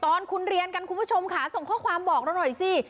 ตอนคุณเรียนกันคุณผู้ชมค่ะส่งข้อความบอกเราหน่อยสิ